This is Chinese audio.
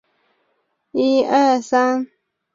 生母是岛津久丙之女阿幸。